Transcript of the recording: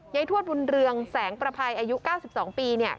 ยายถวตบุญเรืองแสงประภัยอายุ๙๒ปี